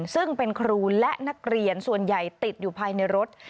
ซึ่งเป็นครูและนักเรียนส่วนใหญ่ติดอยู่ภายในรถ